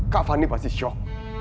kak fani pasti shock